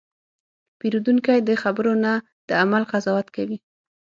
پیرودونکی د خبرو نه، د عمل قضاوت کوي.